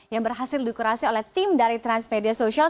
yang berhasil dikurasi oleh tim dari transmedia social